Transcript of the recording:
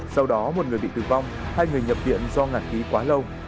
sau đó một người bị tử vong hai người nhập viện do ngạt khí quá lâu